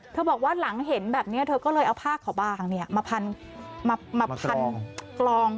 บอกว่าหลังเห็นแบบนี้เธอก็เลยเอาผ้าขาวบางมาพันกลอง